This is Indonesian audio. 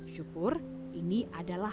syukur ini adalah